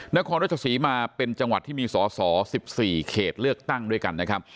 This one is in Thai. นครรัชศรีมาเป็นจังหวัดที่มีสอสอ๑๔เขตเลือกตั้งด้วยกันนะครับ